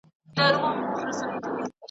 چي ورته ناست دوستان یې .